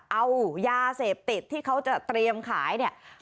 เอายาเสพติดที่เขาจะเตรียมขายเนี่ย